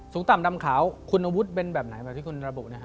ต่ำดำขาวคุณอาวุธเป็นแบบไหนแบบที่คุณระบุนะครับ